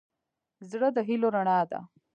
زړه د هيلو رڼا ده.